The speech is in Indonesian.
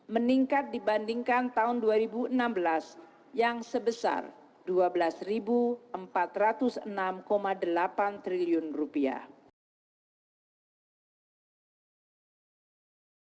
meningkat dibandingkan tahun dua ribu enam belas yang sebesar rp dua belas empat ratus enam delapan triliun rupiah